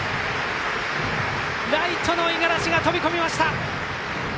ライトの五十嵐飛び込みました！